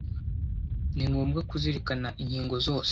ni ngombwa kuzirikana inkingo zose